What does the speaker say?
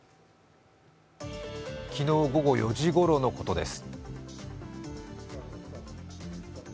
昨日午後４時ごろのことです